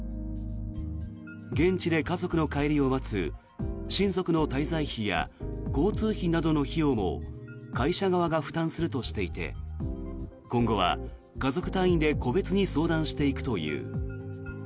現地で家族の帰りを待つ親族の滞在費や交通費などの費用も会社側が負担するとしていて今後は家族単位で個別に相談していくという。